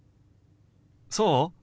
そう？